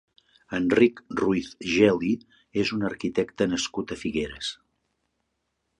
Enric Ruiz-Geli és un arquitecte nascut a Figueres.